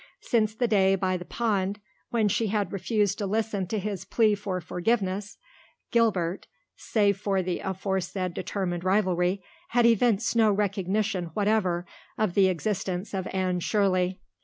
Since the day by the pond when she had refused to listen to his plea for forgiveness, Gilbert, save for the aforesaid determined rivalry, had evinced no recognition whatever of the existence of Anne Shirley.